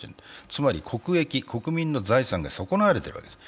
つまり国益、国民の財産が損なわれているわけです。